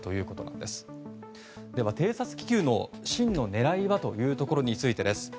では、偵察気球の真の狙いは？というところについて。